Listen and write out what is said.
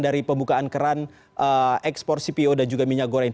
dari pembukaan keran ekspor cpo dan juga minyak goreng